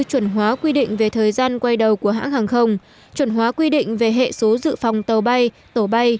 chuẩn hóa quy định về thời gian quay đầu của hãng hàng không chuẩn hóa quy định về hệ số dự phòng tàu bay tổ bay